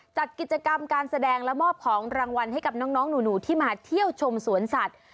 จัดกิจกรรมการแสดงและมอบของรางวัลให้กับน้องหนูที่มาเที่ยวชมสวนสัตว์